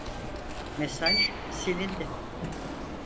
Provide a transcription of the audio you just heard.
Mesaj silindi.